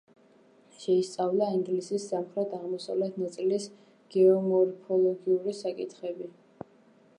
შეისწავლა ინგლისის სამხრეთ-აღმოსავლეთ ნაწილის გეომორფოლოგიური საკითხები.